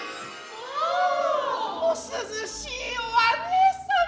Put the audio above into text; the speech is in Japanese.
お涼しいお姉様。